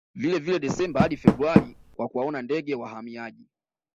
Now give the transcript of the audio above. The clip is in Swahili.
Vilevile Desemba hadi Februari kwa kuwaona ndege wahamiaji